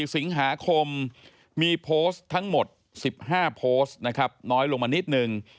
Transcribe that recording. ๔สิงหาคมมีโพสต์ทั้งหมด๑๕โพสต์นะครับน้อยลงมานิดนึง